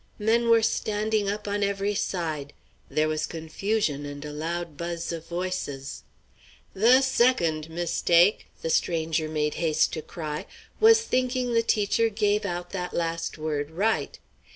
Men were standing up on every side. There was confusion and a loud buzz of voices. "The second mistake," the stranger made haste to cry, "was thinking the teacher gave out that last word right.